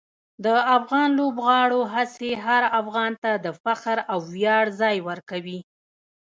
د افغان لوبغاړو هڅې هر افغان ته د فخر او ویاړ ځای ورکوي.